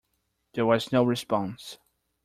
There was no response.